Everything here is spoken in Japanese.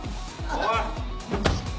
おい！